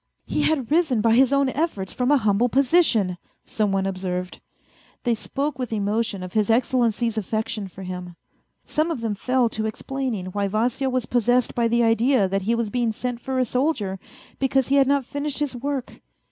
" He had risen by his own efforts from a humble position," some one observed. They spoke with emotion of His Excellency's affection for him. Some of them fell to explaining why Vasya was possessed by the idea that he was being sent for a soldier, because he had not finished his work.